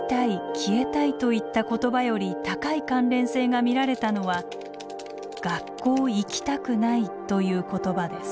「消えたい」といった言葉より高い関連性が見られたのは「学校行きたくない」という言葉です。